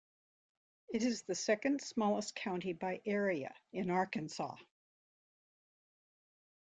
It is the second-smallest county by area in Arkansas.